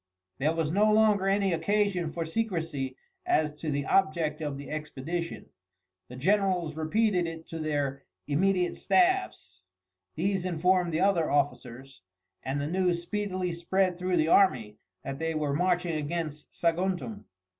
There was no longer any occasion for secrecy as to the object of the expedition. The generals repeated it to their immediate staffs, these informed the other officers, and the news speedily spread through the army that they were marching against Saguntum.